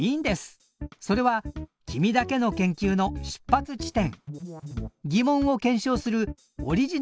それは君だけの研究の出発地点。